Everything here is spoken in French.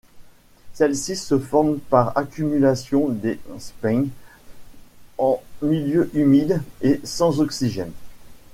Celles-ci se forment par accumulation des sphaignes en milieu humide et sans oxygène.